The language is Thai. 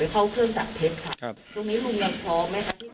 เข้าเครื่องจับเท็จค่ะครับตรงนี้ลุงยังพร้อมไหมคะที่